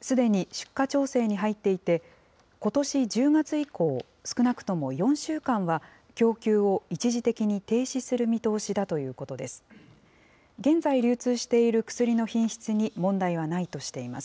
すでに出荷調整に入っていて、ことし１０月以降、少なくとも４週間は供給を一時的に停止する見通しだということです。